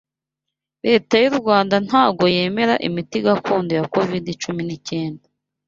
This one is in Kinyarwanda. Leta y’u Rwanda ntago yemera imiti gakondo ya covid cumi n'icyenda